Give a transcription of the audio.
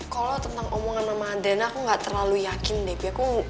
kalau tentang omongan sama adriana aku gak terlalu yakin deh bapak